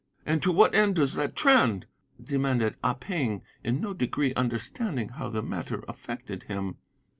"'And to what end does that trend?' demanded Ah Ping, in no degree understanding how the matter affected him.